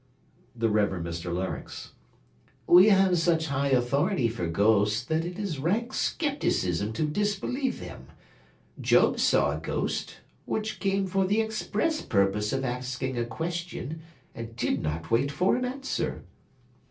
THE REVEREND MR LARYNX We have such high authority for ghosts, that it is rank scepticism to disbelieve them. Job saw a ghost, which came for the express purpose of asking a question, and did not wait for an answer.